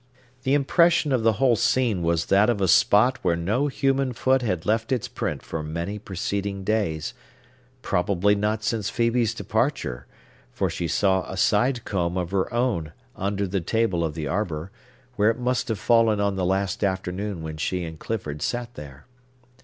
The impression of the whole scene was that of a spot where no human foot had left its print for many preceding days,—probably not since Phœbe's departure,—for she saw a side comb of her own under the table of the arbor, where it must have fallen on the last afternoon when she and Clifford sat there.